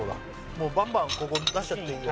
もうバンバンここ出しちゃっていいよ